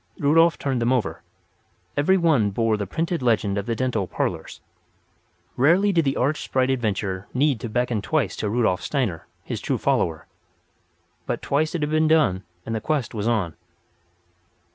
Rudolf turned them over. Every one bore the printed legend of the dental "parlours." Rarely did the arch sprite Adventure need to beckon twice to Rudolf Steiner, his true follower. But twice it had been done, and the quest was on.